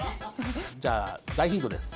じゃあ大ヒントです。